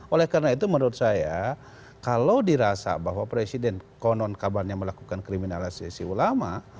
oleh karena itu menurut saya kalau dirasa bahwa presiden konon kabarnya melakukan kriminalisasi ulama